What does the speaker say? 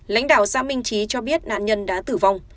lãnh đạo xã minh trí cho biết nạn nhân đã tử vong